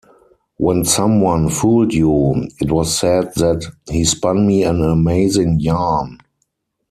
When someone fooled you, it was said that "he spun me an amazing yarn".